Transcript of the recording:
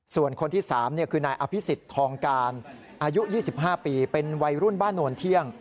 ส่วนคนที่๓คือนายอภิษฎทองการอายุ๒๕ปีเป็นวัยรุ่นบ้านโนนเที่ยง